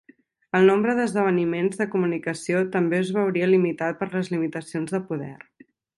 El nombre d'esdeveniments de comunicació també es veuria limitat per les limitacions de poder.